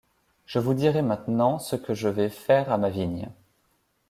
Je vous dirai maintenant Ce que je vais faire à ma vigne.